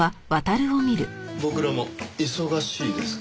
僕らも忙しいですからね。